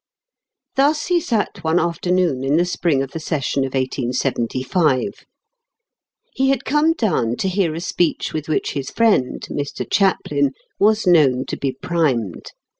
Thus he sat one afternoon in the spring of the session of 1875. He had come down to hear a speech with which his friend, Mr. Chaplin, was known to be primed.